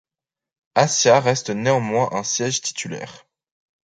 Accia reste néanmoins un siège titulaire.